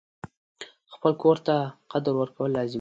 خپل کور ته قدر ورکول لازمي دي.